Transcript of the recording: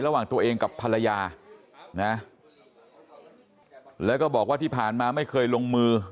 ระหว่างตัวเองกับภรรยานะแล้วก็บอกว่าที่ผ่านมาไม่เคยลงมือ